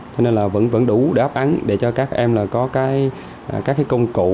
cho nên là vẫn đủ để đáp án để cho các em là có các cái công cụ